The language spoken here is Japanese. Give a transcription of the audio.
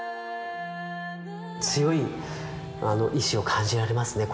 強い意志を感じられますね